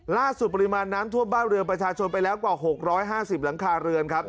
ล่าสุดปริมาณน้ำท่วมบ้านเรืองประชาชนไปแล้วกว่าหกร้อยห้าสิบหลังคาเรืองครับ